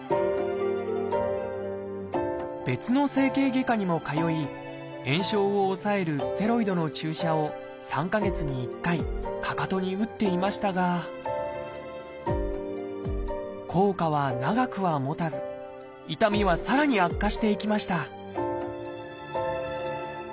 別の整形外科にも通い炎症を抑えるステロイドの注射を３か月に１回かかとに打っていましたが効果は長くはもたず痛みはさらに悪化していきました